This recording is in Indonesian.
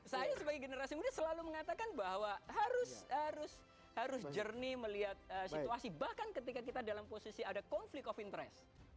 saya sebagai generasi muda selalu mengatakan bahwa harus jernih melihat situasi bahkan ketika kita dalam posisi ada konflik of interest